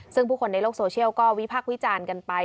ซึ่งผู้คนในโลกโซเชียลก็วิพักษ์วิจารณ์กันไป